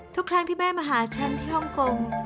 ทุกครั้งที่แม่มาหาฉันที่ฮ่องกง